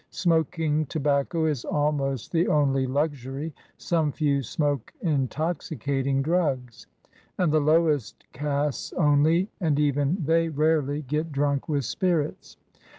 Smoking tobacco is ahnost the only luxury. Some few smoke intoxicating drugs; and the lowest castes only, and even they rarely, get drunk with spirits.